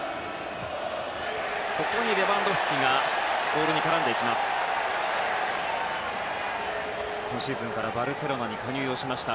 レバンドフスキがボールに絡んでいきました。